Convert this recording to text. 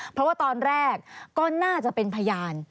เพราะว่าตอนแรกก็น่าจะเป็นพยาน